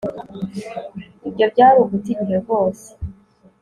Ibyo byari uguta igihe rwose